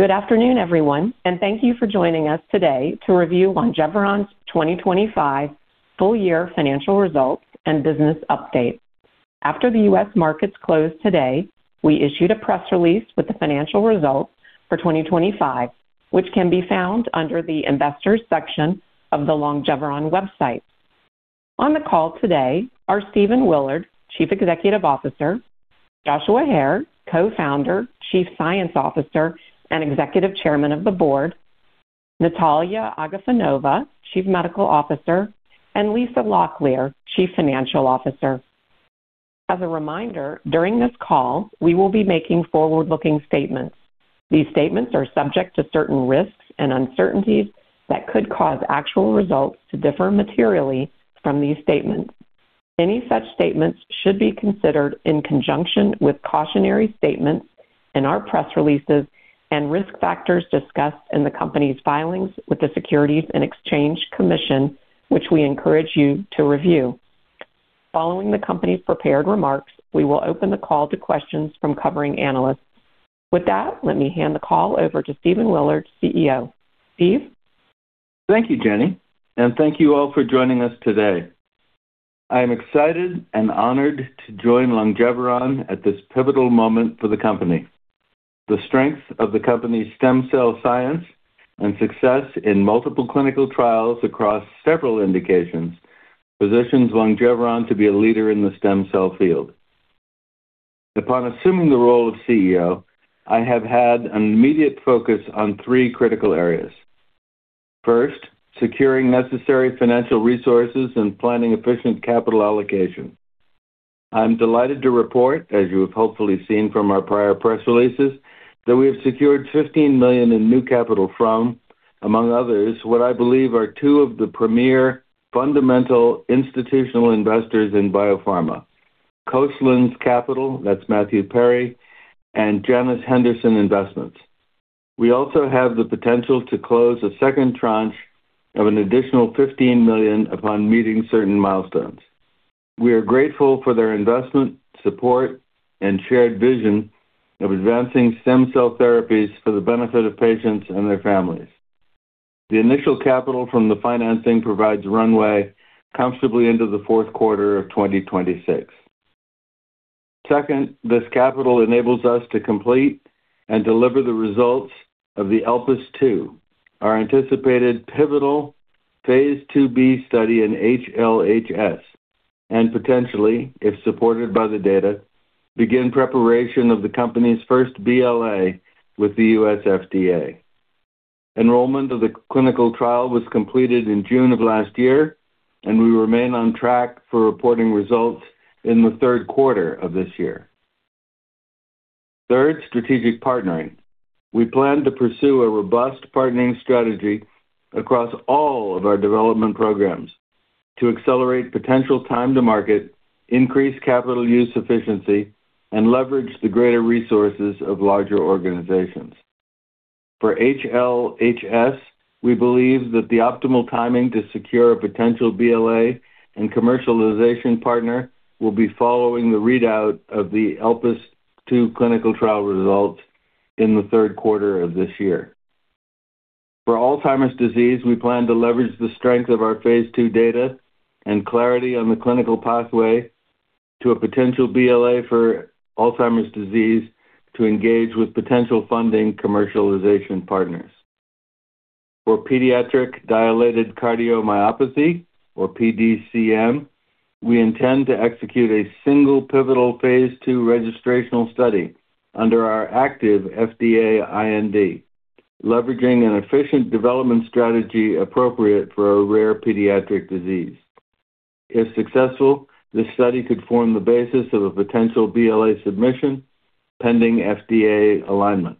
Good afternoon, everyone, and thank you for joining us today to review Longeveron's 2025 full year financial results and business update. After the U.S. markets closed today, we issued a press release with the financial results for 2025, which can be found under the investors section of the Longeveron website. On the call today are Stephen Willard, Chief Executive Officer, Joshua Hare, Co-founder, Chief Science Officer, and Executive Chairman of the Board, Nataliya Agafonova, Chief Medical Officer, and Lisa Locklear, Chief Financial Officer. As a reminder, during this call, we will be making forward-looking statements. These statements are subject to certain risks and uncertainties that could cause actual results to differ materially from these statements. Any such statements should be considered in conjunction with cautionary statements in our press releases and risk factors discussed in the company's filings with the Securities and Exchange Commission, which we encourage you to review. Following the company's prepared remarks, we will open the call to questions from covering analysts. With that, let me hand the call over to Stephen Willard, CEO. Steve? Thank you, Jenny, and thank you all for joining us today. I am excited and honored to join Longeveron at this pivotal moment for the company. The strength of the company's stem cell science and success in multiple clinical trials across several indications positions Longeveron to be a leader in the stem cell field. Upon assuming the role of CEO, I have had an immediate focus on three critical areas. First, securing necessary financial resources and planning efficient capital allocation. I'm delighted to report, as you have hopefully seen from our prior press releases, that we have secured $15 million in new capital from, among others, what I believe are two of the premier fundamental institutional investors in biopharma, Copeland Capital, that's Matthew Perry, and Janus Henderson Investors. We also have the potential to close a second tranche of an additional $15 million upon meeting certain milestones. We are grateful for their investment, support, and shared vision of advancing stem cell therapies for the benefit of patients and their families. The initial capital from the financing provides runway comfortably into the Q4 of 2026. Second, this capital enables us to complete and deliver the results of the ELPIS II, our anticipated pivotal phase 2b study in HLHS, and potentially, if supported by the data, begin preparation of the company's first BLA with the U.S. FDA. Enrollment of the clinical trial was completed in June of last year, and we remain on track for reporting results in the Q3 of this year. Third, strategic partnering. We plan to pursue a robust partnering strategy across all of our development programs to accelerate potential time to market, increase capital use efficiency, and leverage the greater resources of larger organizations. For HLHS, we believe that the optimal timing to secure a potential BLA and commercialization partner will be following the readout of the ELPIS II clinical trial results in the Q3 of this year. For Alzheimer's disease, we plan to leverage the strength of our phase 2 data and clarity on the clinical pathway to a potential BLA for Alzheimer's disease to engage with potential funding commercialization partners. For pediatric dilated cardiomyopathy or PDCM, we intend to execute a single pivotal phase 2 registrational study under our active FDA IND, leveraging an efficient development strategy appropriate for a rare pediatric disease. If successful, this study could form the basis of a potential BLA submission pending FDA alignment.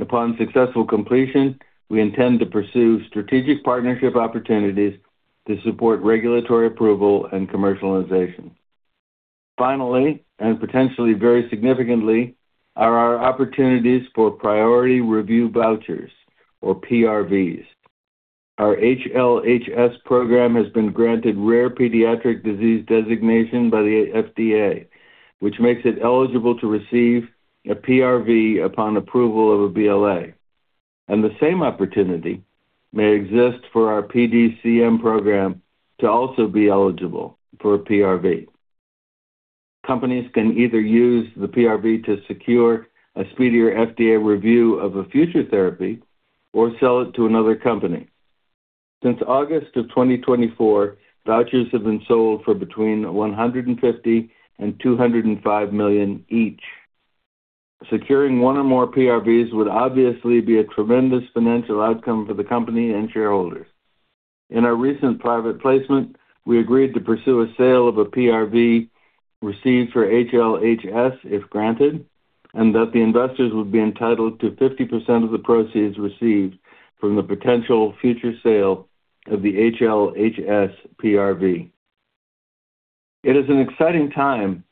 Upon successful completion, we intend to pursue strategic partnership opportunities to support regulatory approval and commercialization. Finally, and potentially very significantly, are our opportunities for priority review vouchers or PRVs. Our HLHS program has been granted rare pediatric disease designation by the FDA, which makes it eligible to receive a PRV upon approval of a BLA, and the same opportunity may exist for our PDCM program to also be eligible for a PRV. Companies can either use the PRV to secure a speedier FDA review of a future therapy or sell it to another company. Since August of 2024, vouchers have been sold for between $150 million and $205 million each. Securing one or more PRVs would obviously be a tremendous financial outcome for the company and shareholders. In our recent private placement, we agreed to pursue a sale of a PRV received for HLHS if granted, and that the investors would be entitled to 50% of the proceeds received from the potential future sale of the HLHS PRV. It is an exciting time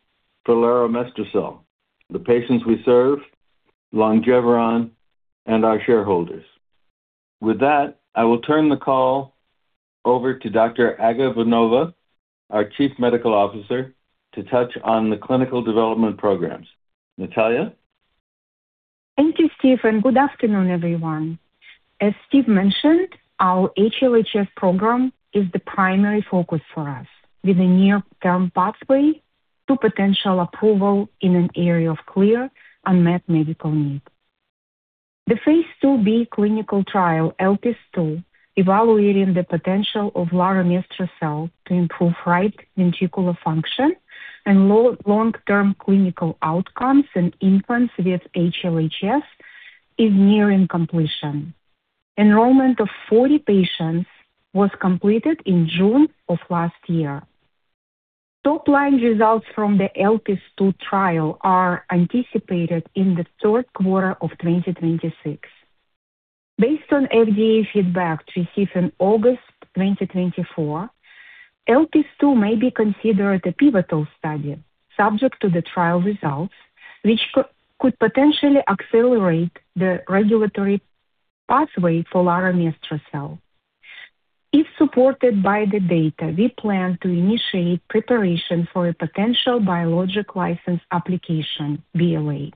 for laromestrocel, the patients we serve, Longeveron, and our shareholders. With that, I will turn the call over to Dr. Nataliya Agafonova, our Chief Medical Officer, to touch on the clinical development programs. Natalia? Thank you, Steve, and good afternoon, everyone. As Steve mentioned, our HLHS program is the primary focus for us, with a near-term pathway to potential approval in an area of clear unmet medical need. The phase 2b clinical trial, ELPIS II, evaluating the potential of laromestrocel to improve right ventricular function and long-term clinical outcomes in infants with HLHS, is nearing completion. Enrollment of 40 patients was completed in June of last year. Top line results from the ELPIS II trial are anticipated in the Q3 of 2026. Based on FDA feedback received in August 2024, ELPIS II may be considered a pivotal study subject to the trial results, which could potentially accelerate the regulatory pathway for laromestrocel. If supported by the data, we plan to initiate preparation for a potential Biologics License Application, BLA.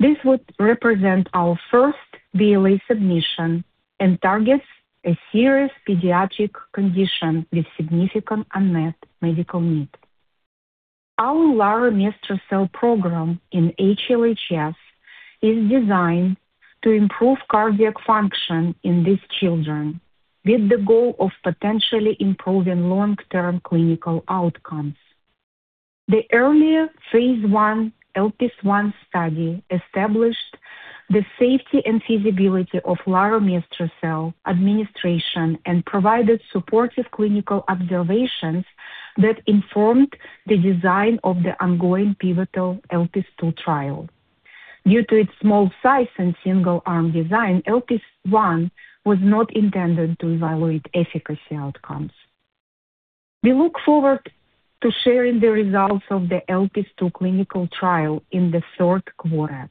This would represent our first BLA submission and targets a serious pediatric condition with significant unmet medical need. Our laromestrocel program in HLHS is designed to improve cardiac function in these children with the goal of potentially improving long-term clinical outcomes. The earlier phase 1, ELPIS I study established the safety and feasibility of laromestrocel administration and provided supportive clinical observations that informed the design of the ongoing pivotal ELPIS II trial. Due to its small size and single arm design, ELPIS I was not intended to evaluate efficacy outcomes. We look forward to sharing the results of the ELPIS II clinical trial in the Q3.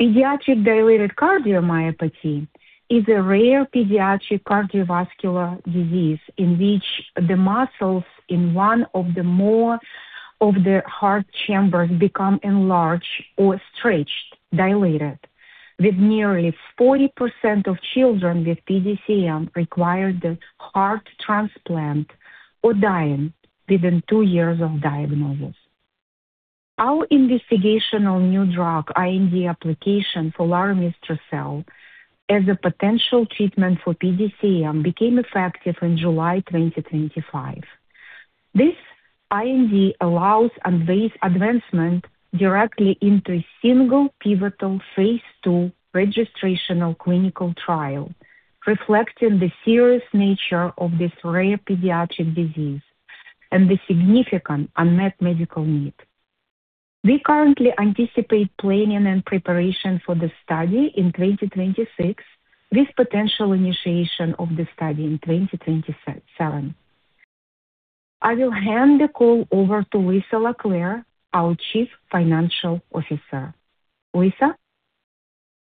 Pediatric dilated cardiomyopathy is a rare pediatric cardiovascular disease in which the muscles in one or more of the heart chambers become enlarged or stretched, dilated, with nearly 40% of children with PDCM requiring a heart transplant or dying within two years of diagnosis. Our investigational new drug, IND application for laromestrocel as a potential treatment for PDCM became effective in July 2025. This IND allows advancement directly into a single pivotal phase 2 registrational clinical trial, reflecting the serious nature of this rare pediatric disease and the significant unmet medical need. We currently anticipate planning and preparation for the study in 2026, with potential initiation of the study in 2027. I will hand the call over to Lisa Locklear, our Chief Financial Officer. Lisa?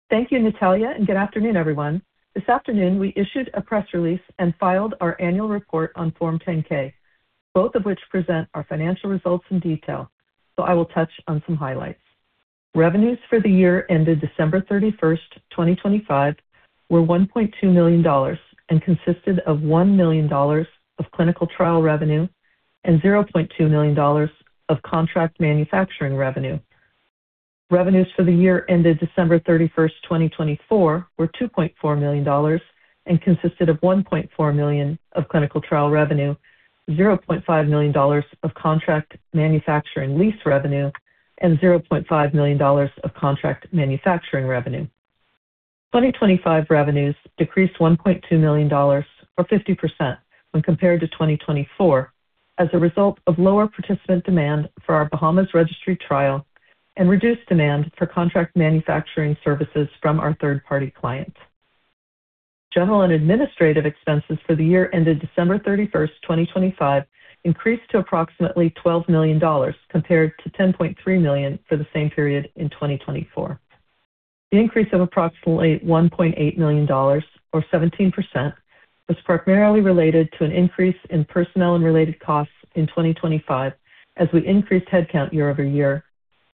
Thank you, Natalia, and good afternoon, everyone. This afternoon we issued a press release and filed our annual report on Form 10-K, both of which present our financial results in detail, so I will touch on some highlights. Revenues for the year ended December thirty-first, 2025, were $1.2 million and consisted of $1 million of clinical trial revenue and $0.2 million of contract manufacturing revenue. Revenues for the year ended December thirty-first, 2024, were $2.4 million and consisted of $1.4 million of clinical trial revenue, $0.5 million of contract manufacturing lease revenue, and $0.5 million of contract manufacturing revenue. 2025 revenues decreased $1.2 million or 50% when compared to 2024 as a result of lower participant demand for our Bahamas registry trial and reduced demand for contract manufacturing services from our third-party clients. General and administrative expenses for the year ended December 31st, 2025, increased to approximately $12 million compared to $10.3 million for the same period in 2024. The increase of approximately $1.8 million or 17% was primarily related to an increase in personnel and related costs in 2025 as we increased head count year-over-year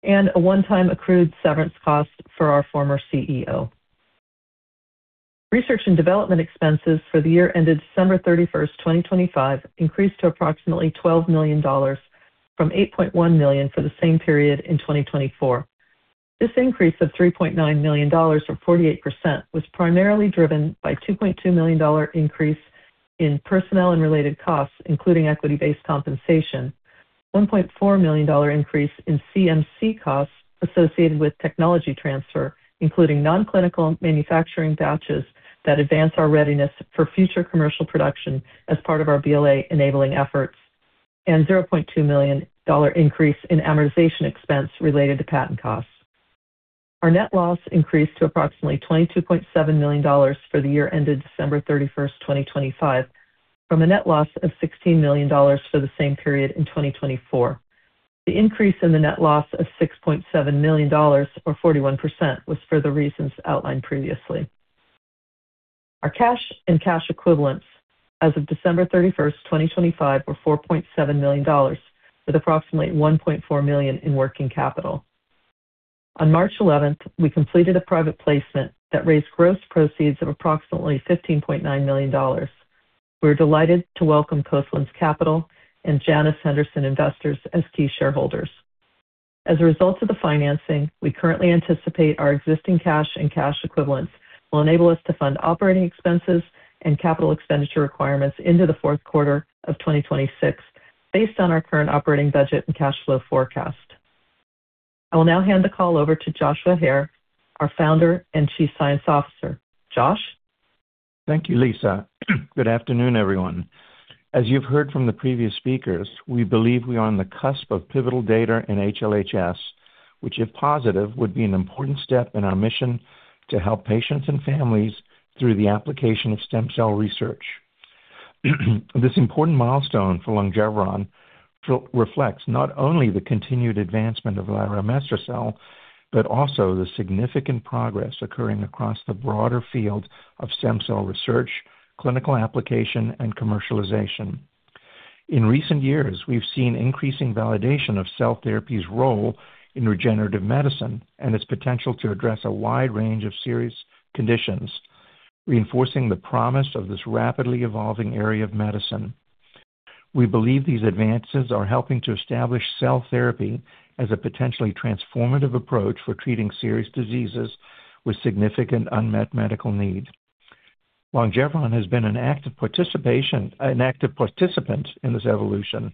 and a one-time accrued severance cost for our former CEO. Research and development expenses for the year ended December 31st, 2025, increased to approximately $12 million from $8.1 million for the same period in 2024. This increase of $3.9 million or 48% was primarily driven by $2.2 million increase in personnel and related costs, including equity-based compensation, $1.4 million increase in CMC costs associated with technology transfer, including non-clinical manufacturing batches that advance our readiness for future commercial production as part of our BLA-enabling efforts, and $0.2 million increase in amortization expense related to patent costs. Our net loss increased to approximately $22.7 million for the year ended December 31, 2025, from a net loss of $16 million for the same period in 2024. The increase in the net loss of $6.7 million, or 41%, was for the reasons outlined previously. Our cash and cash equivalents as of December 31, 2025, were $4.7 million, with approximately $1.4 million in working capital. On March 11, we completed a private placement that raised gross proceeds of approximately $15.9 million. We're delighted to welcome Coastlands Capital and Janus Henderson Investors as key shareholders. As a result of the financing, we currently anticipate our existing cash and cash equivalents will enable us to fund operating expenses and capital expenditure requirements into the Q4 of 2026, based on our current operating budget and cash flow forecast. I will now hand the call over to Joshua Hare, our founder and Chief Science Officer. Josh? Thank you, Lisa. Good afternoon, everyone. As you've heard from the previous speakers, we believe we are on the cusp of pivotal data in HLHS, which if positive, would be an important step in our mission to help patients and families through the application of stem cell research. This important milestone for Longeveron reflects not only the continued advancement of laromestrocel, but also the significant progress occurring across the broader field of stem cell research, clinical application, and commercialization. In recent years, we've seen increasing validation of cell therapy's role in regenerative medicine and its potential to address a wide range of serious conditions, reinforcing the promise of this rapidly evolving area of medicine. We believe these advances are helping to establish cell therapy as a potentially transformative approach for treating serious diseases with significant unmet medical need. Longeveron has been an active participant in this evolution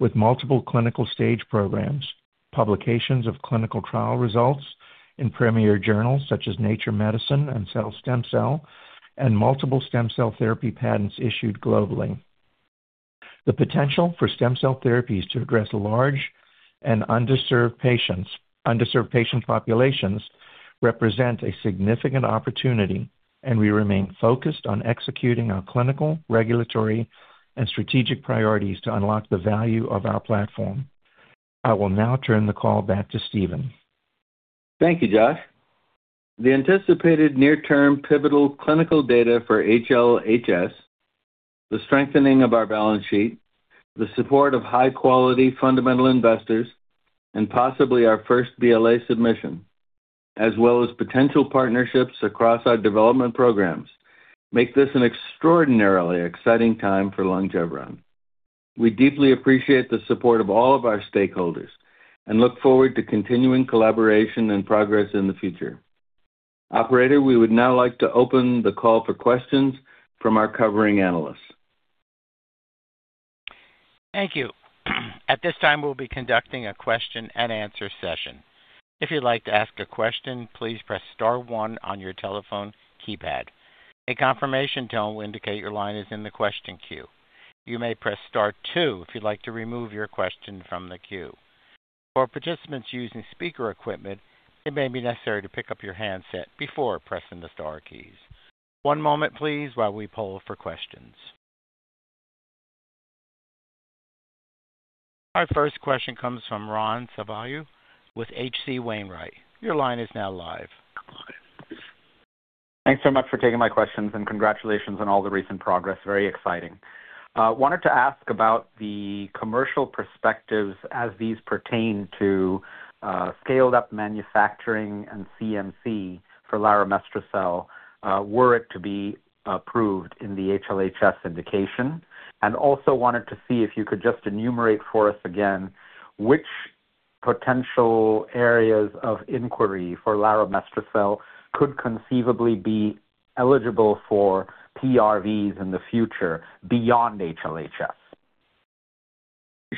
with multiple clinical stage programs, publications of clinical trial results in premier journals such as Nature Medicine and Cell Stem Cell, and multiple stem cell therapy patents issued globally. The potential for stem cell therapies to address large and underserved patient populations represent a significant opportunity, and we remain focused on executing our clinical, regulatory, and strategic priorities to unlock the value of our platform. I will now turn the call back to Stephen. Thank you, Josh. The anticipated near-term pivotal clinical data for HLHS, the strengthening of our balance sheet, the support of high quality fundamental investors, and possibly our first BLA submission, as well as potential partnerships across our development programs, make this an extraordinarily exciting time for Longeveron. We deeply appreciate the support of all of our stakeholders and look forward to continuing collaboration and progress in the future. Operator, we would now like to open the call for questions from our covering analysts. Thank you. At this time, we'll be conducting a question and answer session. If you'd like to ask a question, please press star one on your telephone keypad. A confirmation tone will indicate your line is in the question queue. You may press star two if you'd like to remove your question from the queue. For participants using speaker equipment, it may be necessary to pick up your handset before pressing the star keys. One moment, please, while we poll for questions. Our first question comes from Raghuram Selvaraju with H.C. Wainwright & Co. Your line is now live. Come on in. Thanks so much for taking my questions and congratulations on all the recent progress. Very exciting. Wanted to ask about the commercial perspectives as these pertain to scaled up manufacturing and CMC for laromestrocel were it to be approved in the HLHS indication. Wanted to see if you could just enumerate for us again which potential areas of inquiry for laromestrocel could conceivably be eligible for PRVs in the future beyond HLHS.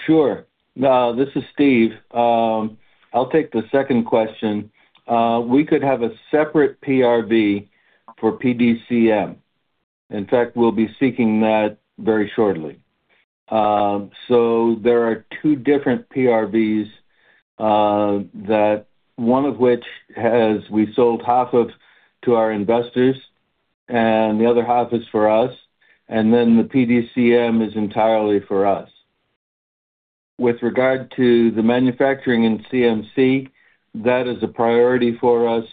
Sure. This is Stephen. I'll take the second question. We could have a separate PRV for PDCM. In fact, we'll be seeking that very shortly. There are two different PRVs, one of which we have sold half of to our investors and the other half is for us. The PDCM is entirely for us. With regard to the manufacturing and CMC, that is a priority for us,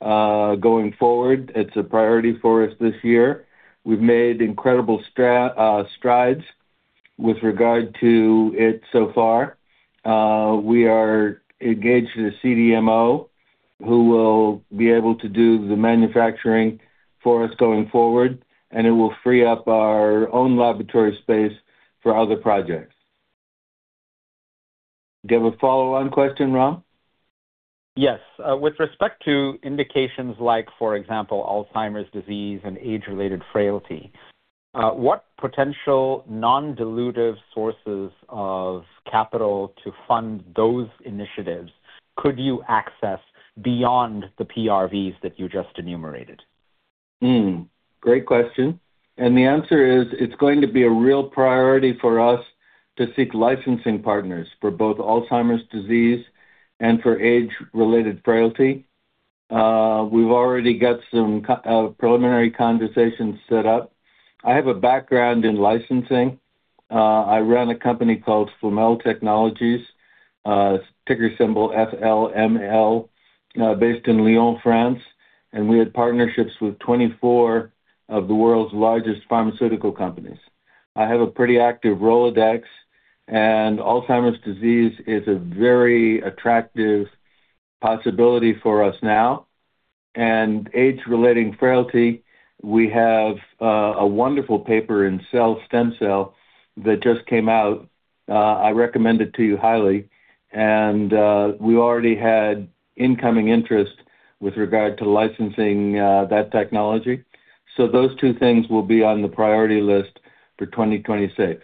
going forward. It's a priority for us this year. We've made incredible strides with regard to it so far. We are engaged with a CDMO who will be able to do the manufacturing for us going forward, and it will free up our own laboratory space for other projects. Do you have a follow-on question, Ron? Yes. With respect to indications like, for example, Alzheimer's disease and age-related frailty, what potential non-dilutive sources of capital to fund those initiatives could you access beyond the PRVs that you just enumerated? Great question. The answer is it's going to be a real priority for us to seek licensing partners for both Alzheimer's disease and for age-related frailty. We've already got some preliminary conversations set up. I have a background in licensing. I ran a company called Flamel Technologies, ticker symbol FLML, based in Lyon, France, and we had partnerships with 24 of the world's largest pharmaceutical companies. I have a pretty active Rolodex, and Alzheimer's disease is a very attractive possibility for us now. Age-related frailty, we have a wonderful paper in Cell Stem Cell that just came out. I recommend it to you highly. We already had incoming interest with regard to licensing that technology. Those two things will be on the priority list for 2026.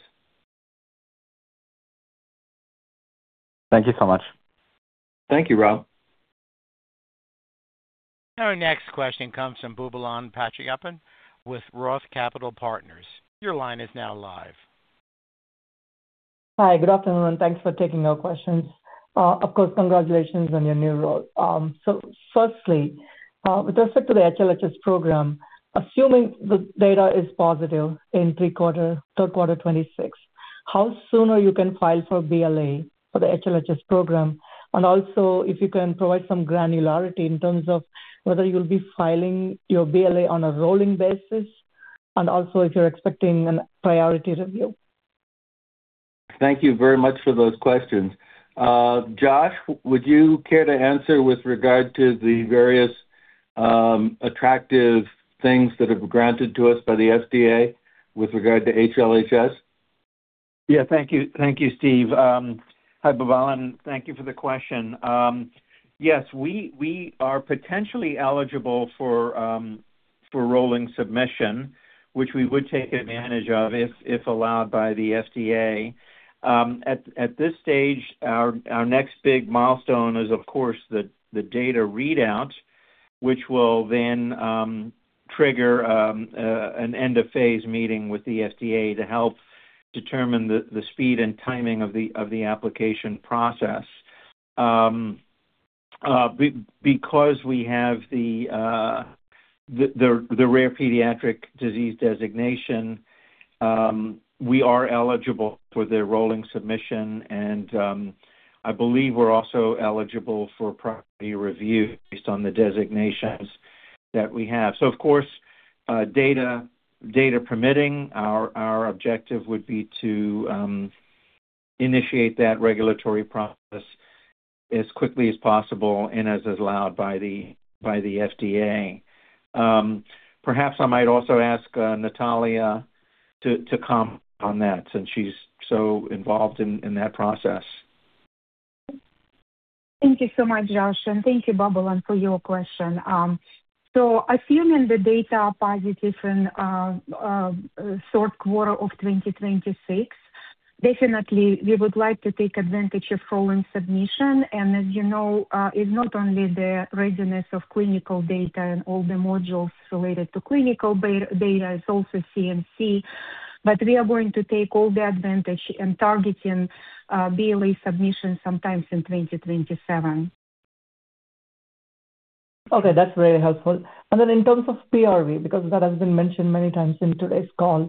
Thank you so much. Thank you, Raghuram Selvaraju. Our next question comes from Boobalan Pachaiyappan with Roth Capital Partners. Your line is now live. Hi. Good afternoon, and thanks for taking our questions. Of course, congratulations on your new role. So firstly, with respect to the HLHS program, assuming the data is positive in Q3 2026, how soon you can file for BLA for the HLHS program and also if you can provide some granularity in terms of whether you'll be filing your BLA on a rolling basis and also if you're expecting a priority review? Thank you very much for those questions. Josh, would you care to answer with regard to the various, attractive things that have been granted to us by the FDA with regard to HLHS? Yeah. Thank you. Thank you, Steve. Hi, Boobalan. Thank you for the question. Yes, we are potentially eligible for rolling submission, which we would take advantage of if allowed by the FDA. At this stage our next big milestone is of course the data readout, which will then trigger an end of phase meeting with the FDA to help determine the speed and timing of the application process. Because we have the rare pediatric disease designation, we are eligible for their rolling submission and I believe we're also eligible for priority review based on the designations that we have. Of course, data permitting, our objective would be to initiate that regulatory process as quickly as possible and as allowed by the FDA. Perhaps I might also ask Nataliya to comment on that since she's so involved in that process. Thank you so much, Josh, and thank you, Boobalan, for your question. Assuming the data are positive in Q4 of 2026, definitely we would like to take advantage of rolling submission. As you know, it's not only the readiness of clinical data and all the modules related to clinical data, it's also CMC. We are going to take all the advantage in targeting BLA submission sometime in 2027. Okay, that's very helpful. Then in terms of PRV, because that has been mentioned many times in today's call.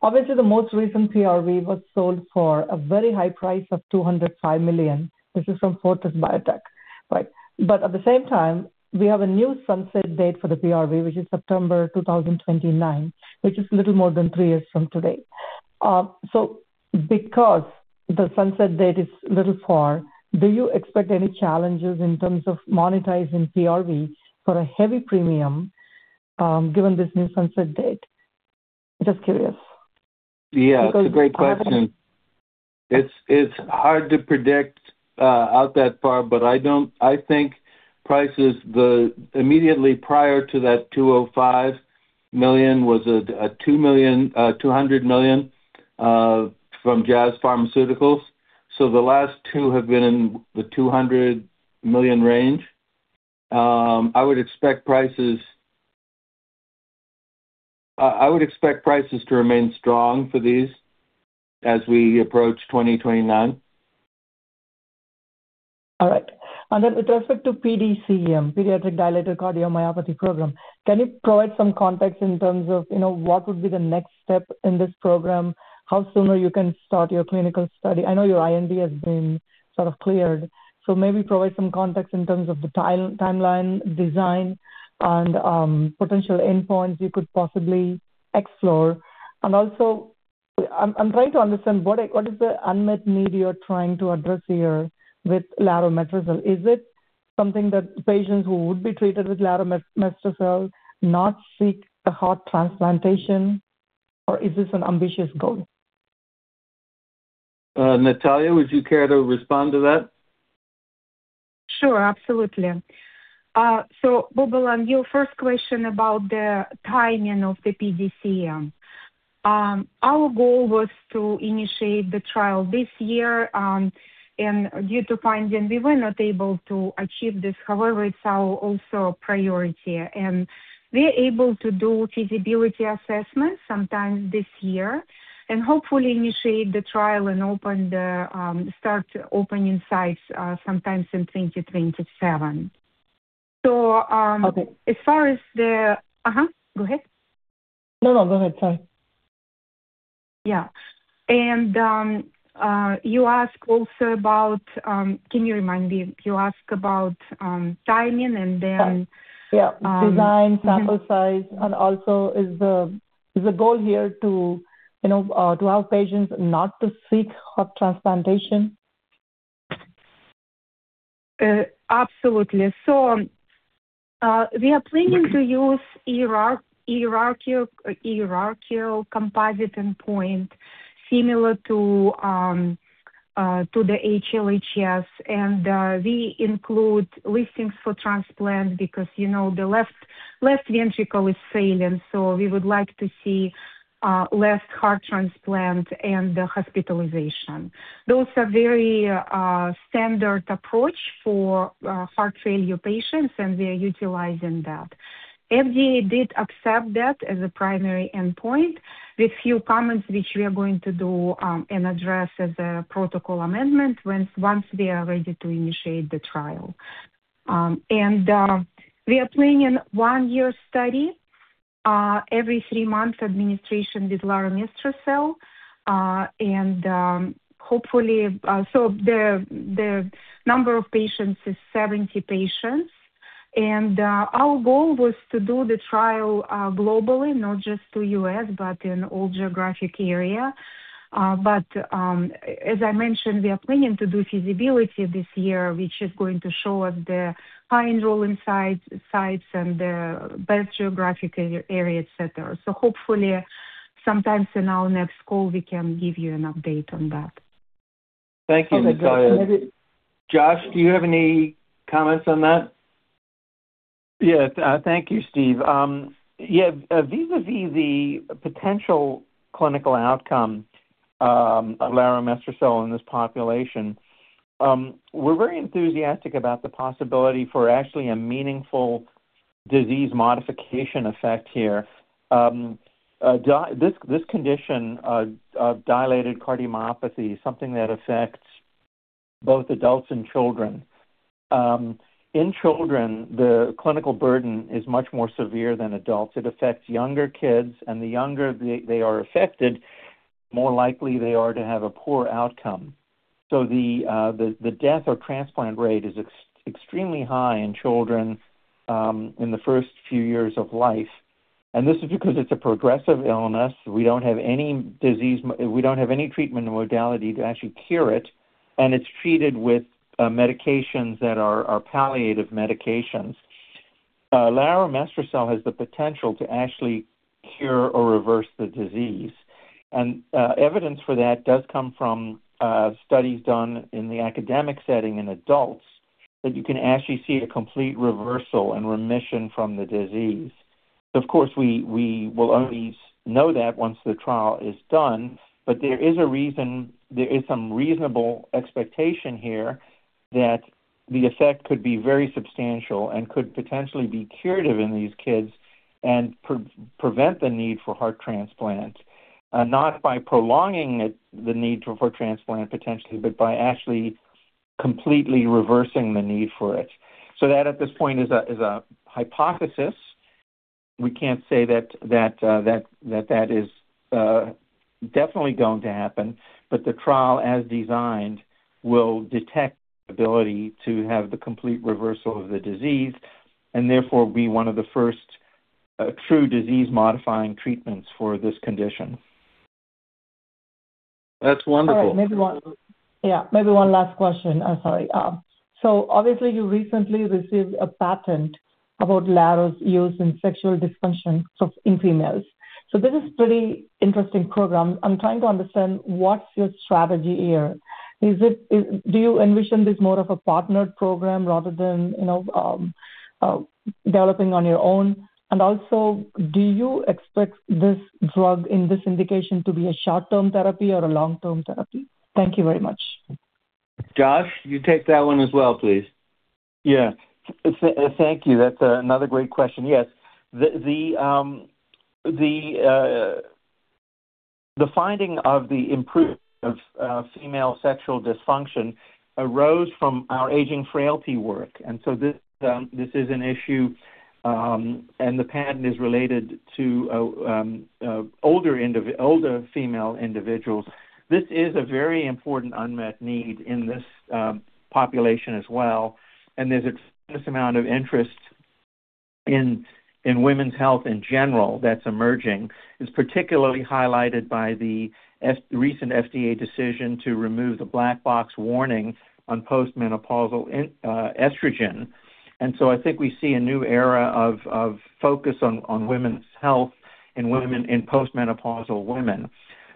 Obviously the most recent PRV was sold for a very high price of $205 million. This is from Forte Biosciences, right? At the same time we have a new sunset date for the PRV, which is September 2029, which is little more than three years from today. Because the sunset date is a little far, do you expect any challenges in terms of monetizing PRV for a heavy premium, given this new sunset date? Just curious. Yeah, it's a great question. It's hard to predict out that far, but I don't think the prices immediately prior to that $205 million was a $200 million from Jazz Pharmaceuticals. So the last two have been in the $200 million range. I would expect prices to remain strong for these as we approach 2029. All right. With respect to PDCM, pediatric dilated cardiomyopathy program, can you provide some context in terms of, what would be the next step in this program? How sooner you can start your clinical study? I know your IND has been sort of cleared, so maybe provide some context in terms of the timeline design and potential endpoints you could possibly explore. I'm trying to understand what is the unmet need you're trying to address here with laromestrocel. Is it something that patients who would be treated with laromestrocel not seek a heart transplantation or is this an ambitious goal? Natalia, would you care to respond to that? Sure. Absolutely. Boobalan, your first question about the timing of the PDCM. Our goal was to initiate the trial this year, and due to pandemic we were not able to achieve this. However, it's our also priority and we're able to do feasibility assessment sometime this year and hopefully initiate the trial and start opening sites, sometime in 2027. Okay. Uh-huh, go ahead. No, no, go ahead. Sorry. Yeah. You ask about timing and then- Yeah. Design, sample size, and also is the goal here to have patients not to seek heart transplantation? Absolutely. We are planning to use hierarchical composite endpoint similar to the HLHS. We include listings for transplant because, the left ventricle is failing, so we would like to see less heart transplant and hospitalization. Those are very standard approach for heart failure patients, and we are utilizing that. FDA did accept that as a primary endpoint with few comments which we are going to do and address as a protocol amendment once we are ready to initiate the trial. We are planning one-year study every three-month administration with laromestrocel. The number of patients is 70 patients. Our goal was to do the trial globally, not just to U.S., but in all geographic area. As I mentioned, we are planning to do feasibility this year, which is going to show us the high enrolling sites and the best geographic area, et cetera. Hopefully sometime in our next call we can give you an update on that. Thank you, Natalia. Josh, do you have any comments on that? Yes. Thank you, Steve. Yeah, vis-à-vis the potential clinical outcome of laromestrocel in this population, we're very enthusiastic about the possibility for actually a meaningful disease modification effect here. This condition of dilated cardiomyopathy is something that affects both adults and children. In children, the clinical burden is much more severe than adults. It affects younger kids, and the younger they are affected, more likely they are to have a poor outcome. The death or transplant rate is extremely high in children in the first few years of life. This is because it's a progressive illness. We don't have any treatment modality to actually cure it. It's treated with medications that are palliative medications. Laromestrocel has the potential to actually cure or reverse the disease. Evidence for that does come from studies done in the academic setting in adults, that you can actually see a complete reversal and remission from the disease. Of course, we will only know that once the trial is done. There is some reasonable expectation here that the effect could be very substantial and could potentially be curative in these kids and prevent the need for heart transplant, not by prolonging it, the need for heart transplant, potentially, but by actually completely reversing the need for it. That at this point is a hypothesis. We can't say that that is definitely going to happen. The trial, as designed, will detect ability to have the complete reversal of the disease and therefore be one of the first, true disease-modifying treatments for this condition. That's wonderful. All right. Yeah, maybe one last question. Sorry. So obviously you recently received a patent about laromestrocel's use in female sexual dysfunction. This is pretty interesting program. I'm trying to understand what's your strategy here. Do you envision this more of a partnered program rather than, developing on your own? Also, do you expect this drug in this indication to be a short-term therapy or a long-term therapy? Thank you very much. Josh, you take that one as well, please. Yeah. Thank you. That's another great question. Yes. The finding of the improvement of female sexual dysfunction arose from our aging frailty work. This is an issue, and the patent is related to older female individuals. This is a very important unmet need in this population as well. There's this amount of interest in women's health in general that's emerging, is particularly highlighted by the recent FDA decision to remove the black box warning on post-menopausal estrogen. I think we see a new era of focus on women's health in post-menopausal women.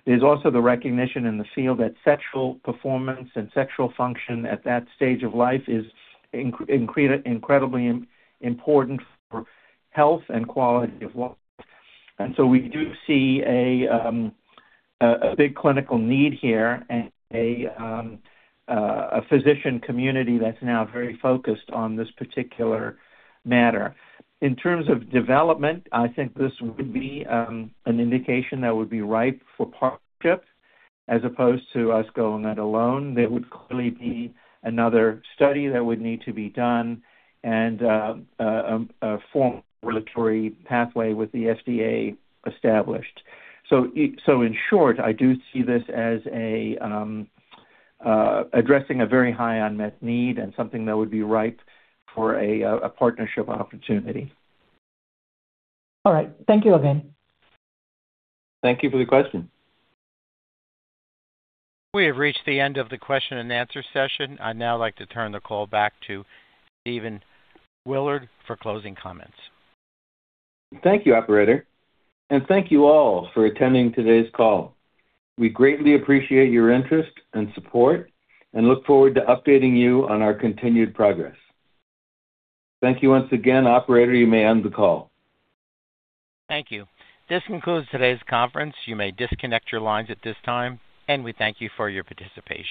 There's also the recognition in the field that sexual performance and sexual function at that stage of life is incredibly important for health and quality of life. We do see a big clinical need here and a physician community that's now very focused on this particular matter. In terms of development, I think this would be an indication that would be ripe for partnerships as opposed to us going it alone. There would clearly be another study that would need to be done and a formal regulatory pathway with the FDA established. In short, I do see this as addressing a very high unmet need and something that would be ripe for a partnership opportunity. All right. Thank you again. Thank you for the question. We have reached the end of the question and answer session. I'd now like to turn the call back to Stephen Willard for closing comments. Thank you, operator, and thank you all for attending today's call. We greatly appreciate your interest and support and look forward to updating you on our continued progress. Thank you once again. Operator, you may end the call. Thank you. This concludes today's conference. You may disconnect your lines at this time, and we thank you for your participation.